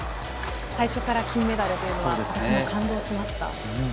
最初から金メダルというのは感動しました。